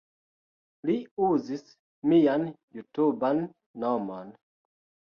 Li uzis mian jutuban nomon